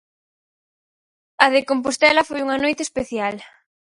A de Compostela foi unha noite especial.